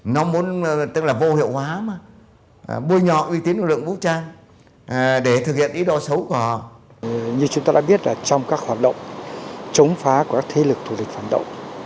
như chúng ta đã biết là trong các hoạt động chống phá của các thế lực thủ lịch phản động